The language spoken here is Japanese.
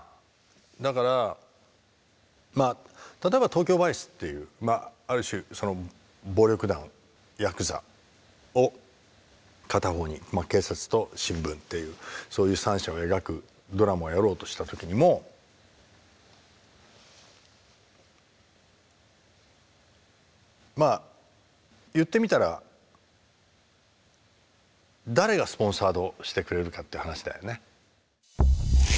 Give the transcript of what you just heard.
だからまあ例えば「ＴＯＫＹＯＶＩＣＥ」っていうある種その暴力団ヤクザを片方に警察と新聞っていうそういう三者を描くドラマをやろうとした時にもまあ言ってみたら誰がスポンサードしてくれるかっていう話だよね。